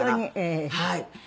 はい。